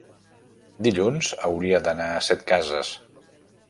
dilluns hauria d'anar a Setcases.